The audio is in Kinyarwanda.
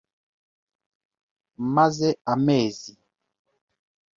Maze amezi .